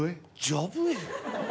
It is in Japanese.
ジャブエ。